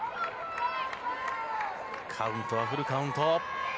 カウントはフルカウント。